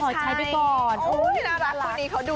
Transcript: แม่แก๊วขอใช้ไปก่อน